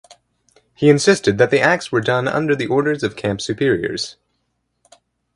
He insisted that the acts were done under the orders of camp superiors.